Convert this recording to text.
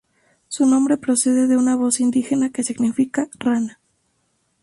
Su nombre procede de una voz indígena que significa "rana".